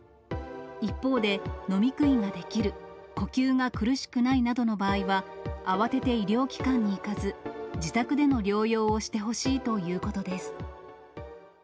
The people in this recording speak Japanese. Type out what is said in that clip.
一方で、飲み食いができる、呼吸が苦しくないなどの場合は、慌てて医療機関に行かず、自宅での療養をしてほしいということです。